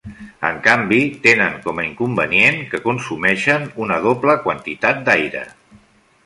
En canvi tenen com a inconvenient que consumeixen una doble quantitat d'aire.